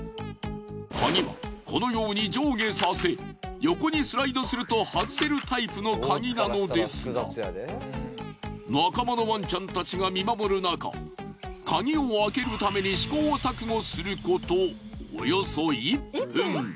鍵はこのように上下させ横にスライドすると外せるタイプの鍵なのですが仲間のワンちゃんたちが見守るなか鍵を開けるために試行錯誤すること。